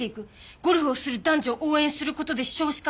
ゴルフをする男女を応援することで少子化対策！